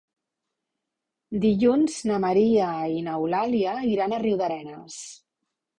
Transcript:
Dilluns na Maria i n'Eulàlia iran a Riudarenes.